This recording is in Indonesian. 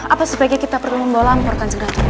apa sebaiknya kita perlu membawa lampu ke kanjeng ratu